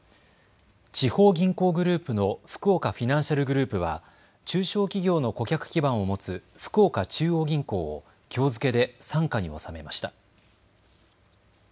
地方銀行グループのふくおかフィナンシャルグループは中小企業の顧客基盤を持つ福岡中央銀行をきょう付けで傘下に収めました。